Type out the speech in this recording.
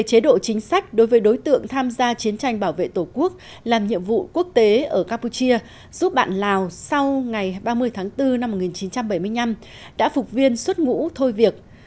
chế độ chính sách đối với đối tượng tham gia chiến tranh bảo vệ tổ quốc làm nhiệm vụ quốc tế ở campuchia giúp bạn lào sau ngày ba mươi tháng bốn năm một nghìn chín trăm bảy mươi năm đã phục viên xuất ngũ thôi việc